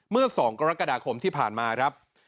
เมื่อ๒กรกฎาคมที่ผ่านมาครับ